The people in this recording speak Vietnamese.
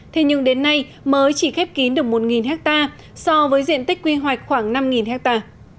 thế nhưng đến nay mới chỉ khép kín được một ha so với diện tích quy hoạch khoảng năm ha